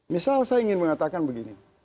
misal saya ingin mengatakan begini